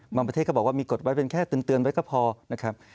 ประเทศก็บอกว่ามีกฎไว้เป็นแค่เตือนไว้ก็พอนะครับ